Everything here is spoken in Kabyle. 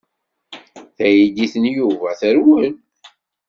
Taydit n Yuba terwel.